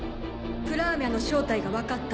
プラーミャの正体が分かった。